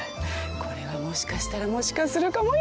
これはもしかしたらもしかするかもよ。